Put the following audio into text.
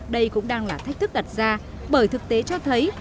đây cũng đang là thách thức đặt ra bởi thực tế cho thấy